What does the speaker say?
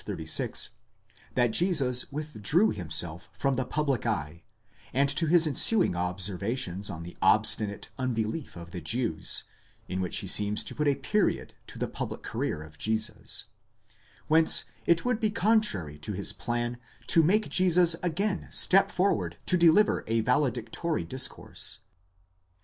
36, that Jesus withdrew himself from the public eye, and to his ensuing observations on the obstinate unbelief of the Jews, in which he seems to put a period to the public career of Jesus ; whence it would be contrary to his plan to make Jesus again step forward to deliver a valedictory discourse.